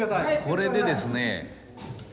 これでですね。